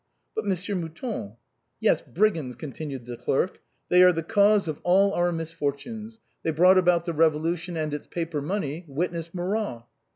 " But, Monsieur Mouton —" "Yes, brigands," continued the clerk. ''They are thé cause of all our misfortunes ; they brought about the Eevo lution and its paper money, witness Murat."